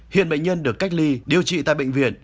hiện bệnh nhân được cách ly điều trị tại bệnh viện